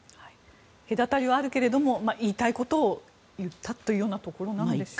隔たりはあるけれども言いたいことを言ったというようなところでしょうか。